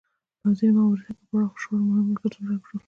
په ځینو مواردو کې پراخو شخړو مهم مرکزونه ړنګ شول.